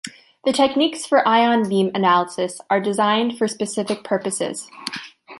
The techniques for ion beam analysis are designed for specific purposes.